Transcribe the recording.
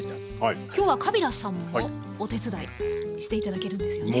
今日はカビラさんもお手伝いして頂けるんですよね？